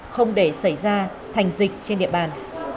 không để xảy ra thành dịch trên địa bàn